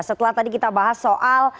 setelah tadi kita bahas soal